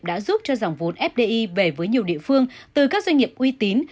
đã giúp cho dòng vốn fdi về với nhiều địa phương từ các doanh nghiệp uy tín